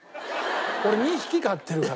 俺２匹飼ってるから。